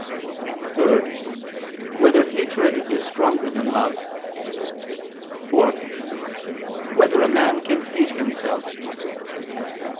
(3) Whether hatred is stronger than love? (4) Whether a man can hate himself?